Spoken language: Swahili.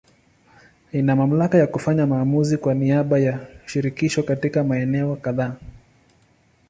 Ina mamlaka ya kufanya maamuzi kwa niaba ya Shirikisho katika maeneo kadhaa.